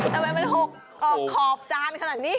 ทำไมมันหกออกขอบจานขนาดนี้